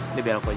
ini biar aku aja